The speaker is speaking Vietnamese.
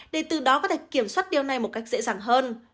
để từ đó có thể kiểm soát điều này một cách dễ dàng hơn